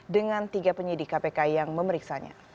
dengan tiga penyidik kpk yang memeriksanya